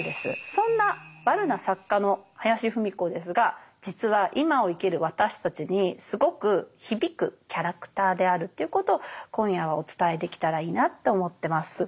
そんなワルな作家の林芙美子ですが実は今を生きる私たちにすごく響くキャラクターであるということを今夜はお伝えできたらいいなと思ってます。